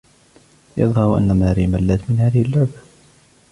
يظهر أن ماري ملّتْ من هذه اللعبة.